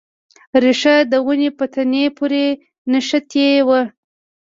ریښه د ونې په تنې پورې نښتې وه.